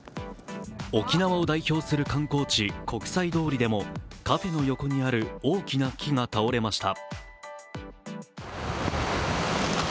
沖縄を代表する観光地国際通りでもカフェの横にある大きな木が倒れました。